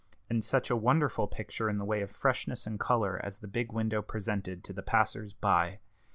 And such a wonderful picture in the way of freshness and color as the big window presented to the passers by!